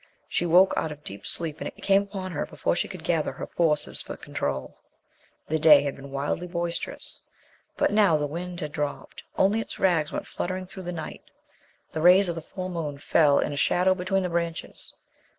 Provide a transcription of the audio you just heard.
She woke out of deep sleep and it came upon her before she could gather her forces for control. The day had been wildly boisterous, but now the wind had dropped, only its rags went fluttering through the night. The rays of the full moon fell in a shower between the branches.